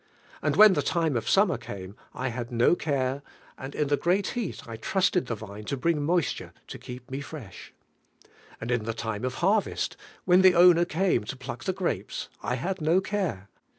And when Hie time of summer came I hail no eare, anil in the great heat 1 trusted the vine to bring moisture In keep tnc fresh. And in the t of har vest, when the owner came to pluck the grapes, I had no care.